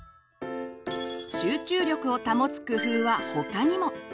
集中力を保つ工夫は他にも。